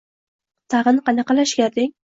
Tag‘in qanaqa lashkar deng!